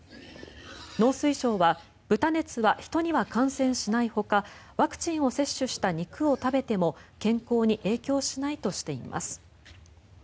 農水省は豚熱は人には感染しないほかワクチンを接種した肉を食べても健康に影響しないとしています。